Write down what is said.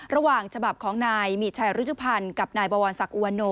ระหว่างฉบับของนายมีชัยรุชุพันธ์กับนายบวรศักดิอุวโน